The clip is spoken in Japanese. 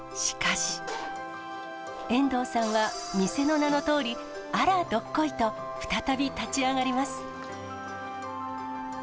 しかし、遠藤さんは、店の名のとおり、あらどっこいと、再び立ち上がります。